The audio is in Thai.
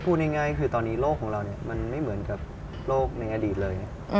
พูดง่ายคือตอนนี้โลกของเรามันไม่เหมือนกับโลกในอดีตเลย